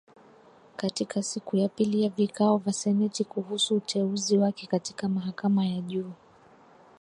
Katika siku ya pili ya vikao vya seneti kuhusu uteuzi wake katika mahakama ya juu